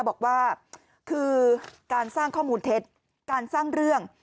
บอกว่าคือการสร้างข้อมูลเท็จการสร้างเรื่อง